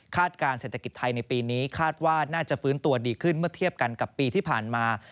การเศรษฐกิจไทยในปีนี้คาดว่าน่าจะฟื้นตัวดีขึ้นเมื่อเทียบกันกับปีที่ผ่านมา